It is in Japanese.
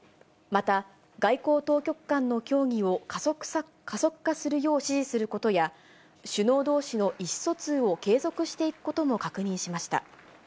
また、外交当局間の協議を加速化するよう指示することや、首脳どうしの意思疎通を継続していくことも確認しました。